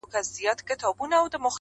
پرې کرم د اِلهي دی,